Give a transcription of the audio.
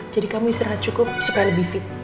jadi kamu istirahat cukup supaya lebih fit